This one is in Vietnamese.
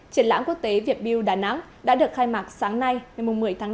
triển lãm quốc tế việt build đà nẵng đã được khai mạc sáng nay ngày một mươi tháng năm